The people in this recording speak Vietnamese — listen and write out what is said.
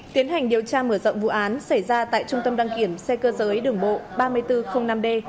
tiến hành điều tra mở rộng vụ án xảy ra tại trung tâm đăng kiểm xe cơ giới đường bộ ba nghìn bốn trăm linh năm d